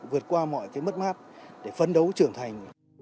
vượt qua mọi cái mất mát để phấn đấu trưởng thành